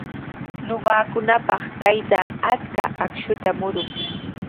Ñuqakunapaq taytaa achka akshuta murun.